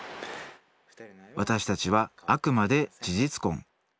私たちはあくまで事実婚。